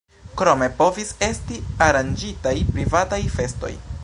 Krome povis esti aranĝitaj privataj festoj.